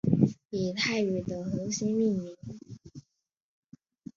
以泰语的恒星命名。